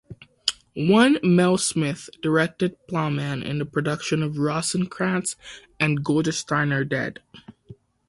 One, Mel Smith, directed Plowman in a production of "Rosencrantz and Guildenstern Are Dead".